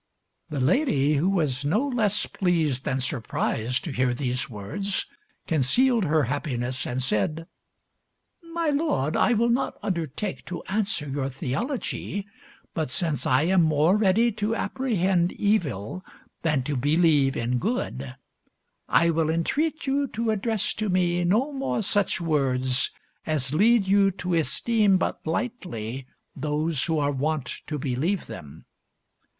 The lady, who was no less pleased than surprised to hear these words, concealed her happiness and said "My lord, I will not undertake to answer your theology, but since I am more ready to apprehend evil than to believe in good, I will entreat you to address to me no more such words as lead you to esteem but lightly those who are wont to believe them.